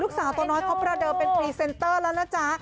สาวตัวน้อยเขาประเดิมเป็นพรีเซนเตอร์แล้วนะจ๊ะ